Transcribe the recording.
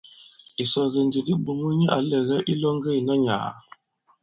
Ìsɔge ndi di ɓòŋo nyɛ̄ ǎ lɛ̀gɛ ilɔŋge ìna nyàà.